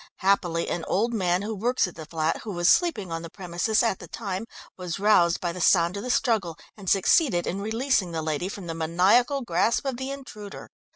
Happily an old man who works at the flat, who was sleeping on the premises at the time, was roused by the sound of the struggle, and succeeded in releasing the lady from the maniacal grasp of the intruder.